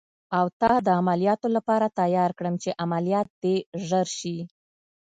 او تا د عملیاتو لپاره تیار کړم، چې عملیات دې ژر شي.